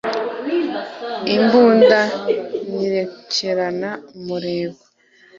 imbunda nyirekurana umurego